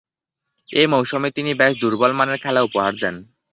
এ মৌসুমে তিনি বেশ দূর্বলমানের খেলা উপহার দেন।